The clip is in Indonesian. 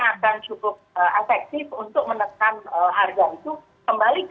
akan cukup efektif untuk menekan harga itu kembali ke rp empat belas